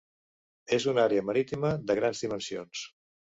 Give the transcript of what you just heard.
És una àrea marítima de grans dimensions.